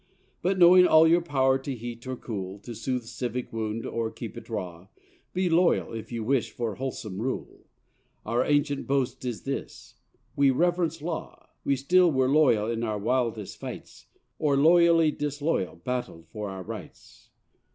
But knowing all your power to heat or cool, To soothe a civic wound or keep it raw, Be loyal, if you wish for wholesome rule: Our ancient boast is this we reverence law. We still were loyal in our wildest fights, Or loyally disloyal battled for our rights.